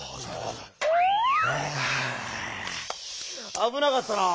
あぶなかったなぁ。